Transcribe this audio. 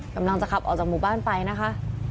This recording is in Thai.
กำลังจะขับออกจากหมู่บ้านไปนะคะ